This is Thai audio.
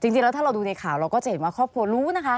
จริงแล้วถ้าเราดูในข่าวเราก็จะเห็นว่าครอบครัวรู้นะคะ